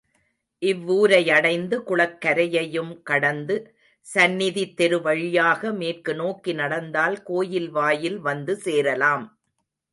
இவ்வூரையடைந்து, குளக்கரையையும் கடந்து, சந்நிதித் தெரு வழியாக மேற்கு நோக்கி நடந்தால் கோயில் வாயில் வந்து சேரலாம்.